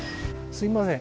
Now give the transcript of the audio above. すいません。